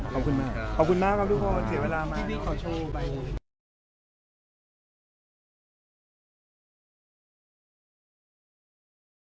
ขอบคุณมากขอบคุณมากครับทุกคนเสียเวลามา